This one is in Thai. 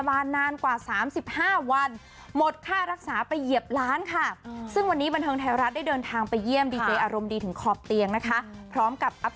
อาการมาให้ได้ฟังกันด้วยค่ะ